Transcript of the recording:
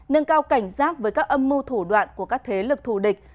nâng cao cảnh giác với các âm mưu thủ đoạn của các thế lực thù địch